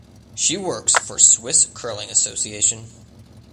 She works for Swiss Curling Association.